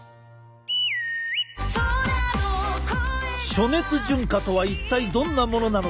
暑熱順化とは一体どんなものなのか？